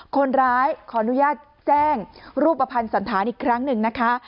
คนร้ายขออนุญาตแจ้งรูปภัณฑ์สันธารอีกครั้งหนึ่งนะคะ